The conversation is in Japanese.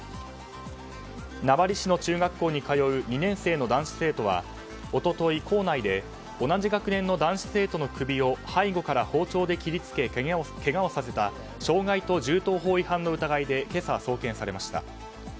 名張市の中学校に通う２年生の男子生徒は一昨日、校内で同じ学年の男子生徒の首を背後から包丁で切り付けけがをさせた傷害と銃刀法違反の疑いで今朝送検されました。